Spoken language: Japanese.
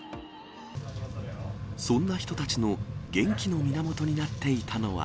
そんな人たちの元気の源になっていたのは。